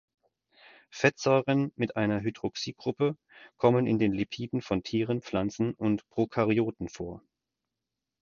Fettsäuren mit einer Hydroxygruppe kommen in den Lipiden von Tieren, Pflanzen und Prokaryoten vor.